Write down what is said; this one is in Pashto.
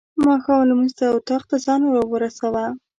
ماښام لمونځ ته اطاق ته ځان ورساوه.